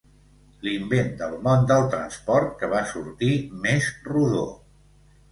L'invent del món del transport que va sortir més rodó.